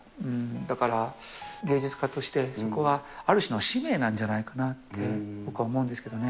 だから芸術家として、そこは、ある種の使命なんじゃないかなって僕は思うんですけれどもね。